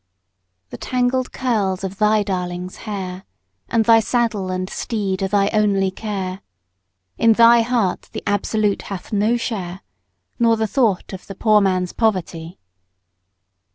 The tangled curls of thy darling's hair, and thy saddle and teed are thy only care; In thy heart the Absolute hath no share, nor the thought of the poor man's poverty.